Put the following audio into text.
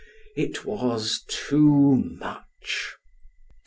It was too much.